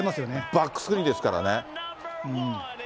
バックスクリーンですからね。